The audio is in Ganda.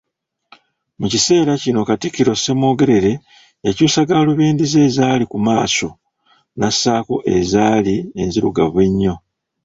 Mu kiseera kino Katikkiro Ssemwogerere, yakyusa galubindi ze ezaali ku maaso, nassaako ezaali enzirugavu ennyo.